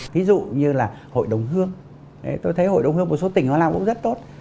ví dụ như là hội đồng hương tôi thấy hội đồng hương một số tỉnh họ làm cũng rất tốt